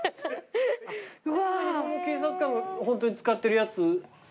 これも日本の警察官がホントに使ってるやつを。